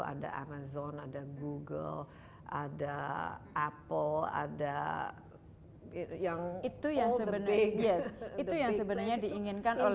ada amazon ada google ada apple ada yang